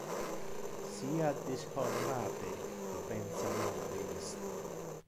Sia dishonorate qui pensa mal de isto.